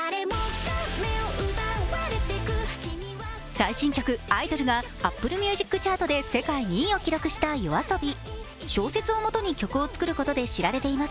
最新曲「アイドル」がアップルミュージックチャートで世界２位を記録したＹＯＡＳＯＢＩ。